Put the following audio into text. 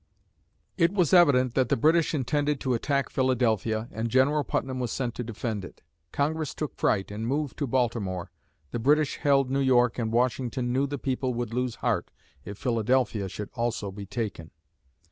It was evident that the British intended to attack Philadelphia and General Putnam was sent to defend it. Congress took fright and moved to Baltimore. The British held New York and Washington knew the people would lose heart if Philadelphia should also be taken.